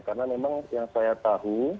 karena memang yang saya tahu